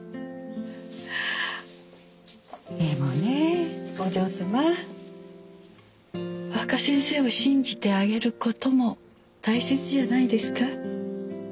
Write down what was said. でもねお嬢様若先生を信じてあげることも大切じゃないですか。